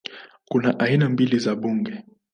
Kuna aina mbili za bunge